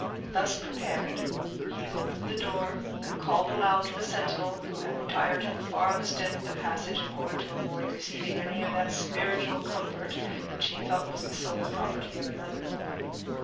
Thus prepared, he opened the door, and called aloud to the sentinel, who had retired to the farthest end of the passage, in order to avoid receiving any of that spiritual comfort, which he felt was the sole property of another.